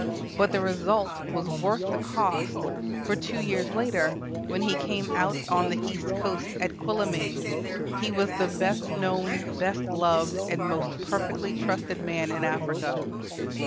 But the result was worth the cost; for two years later, when he came out on the east coast at Quilimane, "he was the best known, best loved, and most perfectly trusted man in Africa."